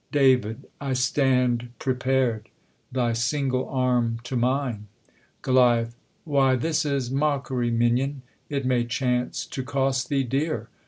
Dav. 1 stand prepar'd ; thy single arm to mine^ GvL WHiy, this is mockery, minion! it may chance To cost thee dear.